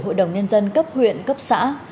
hội đồng nhân dân cấp huyện cấp xã